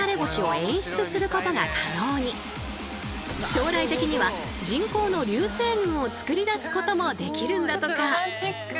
将来的には人工の流星群を作り出すこともできるんだとか。